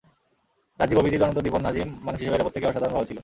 রাজীব, অভিজিৎ, অনন্ত, দীপন, নাজিম—মানুষ হিসেবে এরা প্রত্যেকেই অসাধারণ ভালো ছিল।